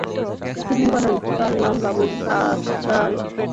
তিনি বললেন, তার নাম আবু রাগাল।